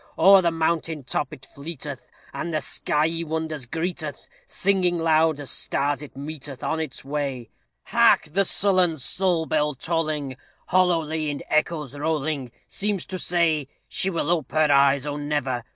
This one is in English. O'er the mountain top it fleeteth, And the skyey wonders greeteth, Singing loud as stars it meeteth On its way. Hark! the sullen Soul bell tolling, Hollowly in echoes rolling, Seems to say "She will ope her eyes oh, never!